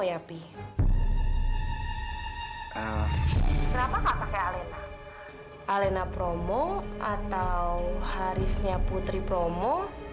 kenapa harus regina putri promo